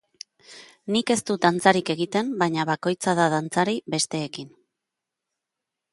Nik ez dut dantzarik egiten, baina bakoitza da dantzari, besteekin.